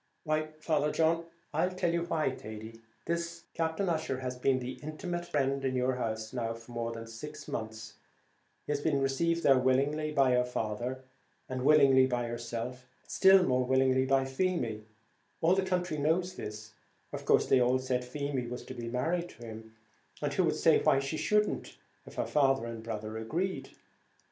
"Why, Father John?" "I'll tell you why, Thady: this Captain Ussher has been the intimate friend in your house now for more than six months back; he has been received there willingly by your father, and willingly by yourself, but still more willingly by Feemy; all the country knows this; of course they all said Feemy was to be married to him; and who could say why she shouldn't, if her father and brother agreed?